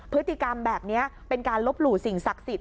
พฤติกรรมแบบนี้เป็นการลบหลู่สิ่งศักดิ์สิทธิ